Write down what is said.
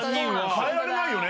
変えられないよね。